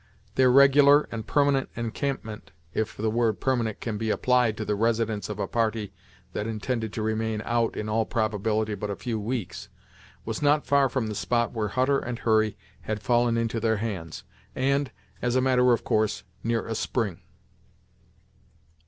Their regular, and permanent encampment, if the word permanent can be applied to the residence of a party that intended to remain out, in all probability, but a few weeks, was not far from the spot where Hutter and Hurry had fallen into their hands, and, as a matter of course, near a spring.